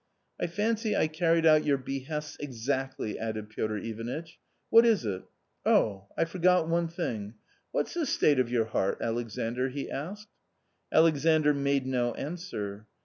" I fancy I carried out your behests exactly," added Piotr Ivanitch ;" what is it ? Oh, I forgot one thing ; what's the state of your heart, Alexandr ?" he asked. Alexandr made no answer.